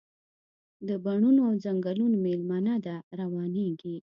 د بڼوڼو او ځنګلونو میلمنه ده، روانیږي